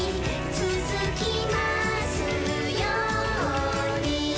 「つづきますように」